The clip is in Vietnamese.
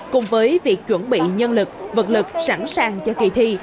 cùng với việc chuẩn bị nhân lực vật lực sẵn sàng cho kỳ thi